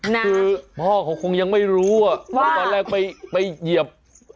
คือพ่อเขาคงยังไม่รู้อ่ะเพราะตอนแรกไปเหยียบ